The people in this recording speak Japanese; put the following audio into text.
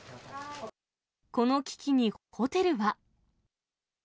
この危機にホテルは。